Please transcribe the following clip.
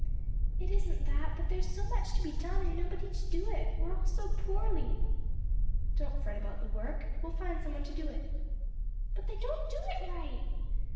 "It isn't that, but there's so much to be done and nobody to do it; we're all so poorly." "Don't fret about the work; we'll find some one to do it." "But they don't do it right.